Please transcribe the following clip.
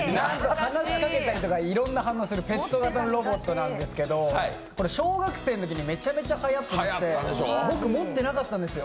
話しかけたりとか、いろんな反応するペット型のロボットなんですけど、小学生のときにめちゃめちゃはやってまして僕、持ってなかったんですよ。